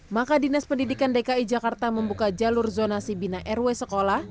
maka dinas pendidikan dki jakarta membuka jalur zonasi bina rw sekolah